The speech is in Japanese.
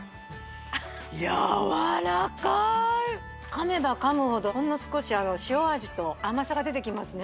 噛めば噛むほどほんの少し塩味と甘さが出てきますね